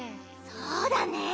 そうだね。